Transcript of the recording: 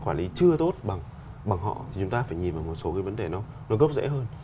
quản lý chưa tốt bằng họ thì chúng ta phải nhìn vào một số cái vấn đề nó gốc rễ hơn